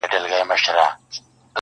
خو تر مرګه یې دا لوی شرم په ځان سو؛